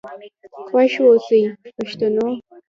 خوښ آوسئ پښتنو.